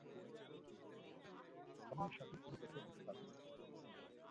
সময়ের সাথে তুমি টেক্কা দিতে পারবে না।